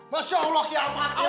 masya allah kiamat kiamat